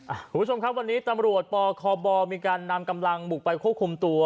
คุณผู้ชมครับวันนี้ตำรวจปคบมีการนำกำลังบุกไปควบคุมตัว